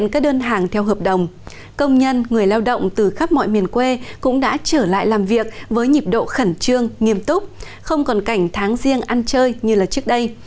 công nhân người lao động từ khắp mọi miền quê cũng đã trở lại làm việc với nhịp độ khẩn trương nghiêm túc không còn cảnh tháng riêng ăn chơi như là trước đây